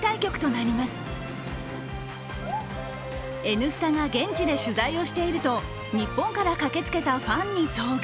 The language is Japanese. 「Ｎスタ」が現地で取材をしていると日本から駆けつけたファンに遭遇。